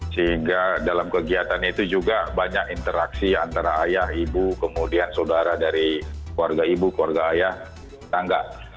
sehingga dalam kegiatan itu juga banyak interaksi antara ayah ibu kemudian saudara dari keluarga ibu keluarga ayah tangga